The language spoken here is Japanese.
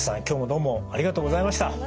今日もどうもありがとうございました。